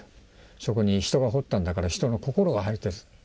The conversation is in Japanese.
そこに人が彫ったんだから人の心が入ってる。